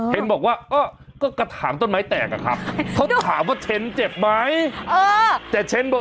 เท้นบอกว่ากระถามต้นไม้แตกอ่ะครับพอถามว่าเท้นเจ็บไหมเออ